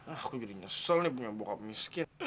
aku jadi nyesel nih punya bokap miskin